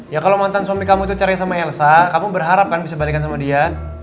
ya kalau mantan suami kamu itu cari sama elsa kamu berharap kan bisa balikan sama dia